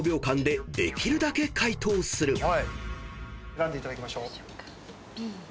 「選んでいただきましょう」